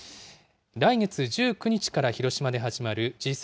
来月１９日から広島で始まるＧ７